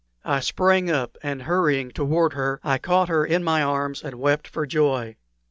I sprang up, and, hurrying toward her, I caught her in my arms and wept for joy.